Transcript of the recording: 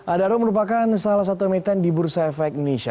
adaro merupakan salah satu emiten di bursa efek indonesia